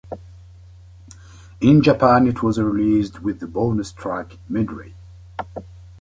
In Japan, it was released with the bonus track "Medrey".